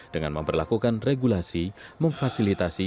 dengan memperlakukan regulasi memfasilitasi